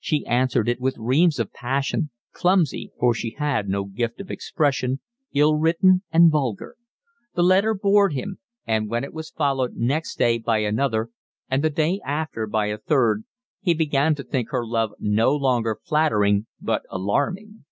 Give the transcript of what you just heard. She answered it with reams of passion, clumsy, for she had no gift of expression, ill written, and vulgar; the letter bored him, and when it was followed next day by another, and the day after by a third, he began to think her love no longer flattering but alarming.